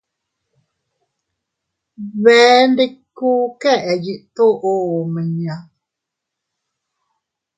Bee ndikku keʼe yiʼi toʼo omiña.